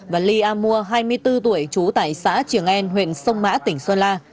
và ly a mua hai mươi bốn tuổi chú tại xã trường en huyện sông mã tỉnh sơn la